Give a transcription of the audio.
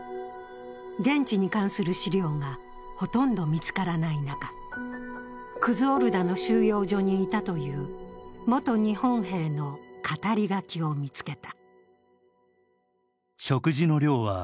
現地に関する資料がほとんど見つからない中、クズオルダの収容所にいたという元日本兵の語り書きを見つけた。